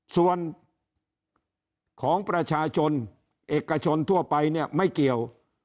ส่วนของประชาชนเอกชนทั่วไปเนี่ยไม่เกี่ยว